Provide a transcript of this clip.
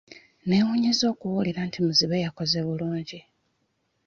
Neewuunyizza okuwulira nti muzibe yakoze bulungi.